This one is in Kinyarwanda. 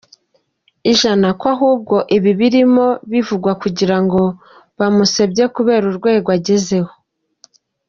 ijana ko ahubwo ibi birimo bivugwa kugira ngo bamusebye kubera urwego agezeho.